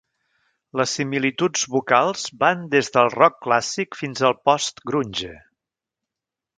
Les similituds vocals van des del rock clàssic fins al post-grunge.